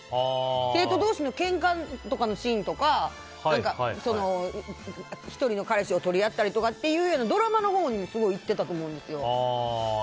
生徒同士のけんかとかのシーンとか１人の彼氏を取り合ったりっていうようなドラマのほうにすごいいってたと思うんですよ。